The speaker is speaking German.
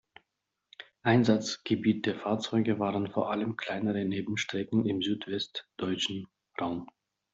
Einsatzgebiet der Fahrzeuge waren vor allem kleinere Nebenstrecken im südwestdeutschen Raum.